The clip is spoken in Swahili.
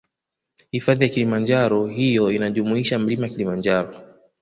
Hifadhi ya kilimanjaro hiyo inajumuisha mlima kilimanjaro